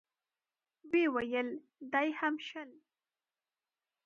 ويې ويل: دا يې هم شل.